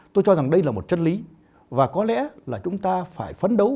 tôi cho rằng đây là một chân lý và có lẽ là chúng ta phải phấn đấu